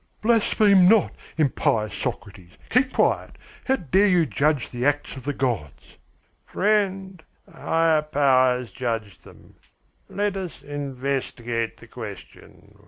"Blaspheme not, impious Socrates! Keep quiet! How dare you judge the acts of the gods?" "Friend, a higher power has judged them. Let us investigate the question.